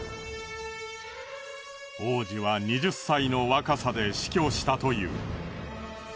王子は２０歳の若さで死去したという。